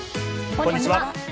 こんにちは。